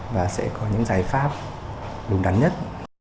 và sẽ có những giải pháp đúng đắn nhất